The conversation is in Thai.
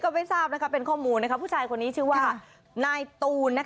ไม่ทราบนะค่ะผู้ชายชื่อว่านายตูน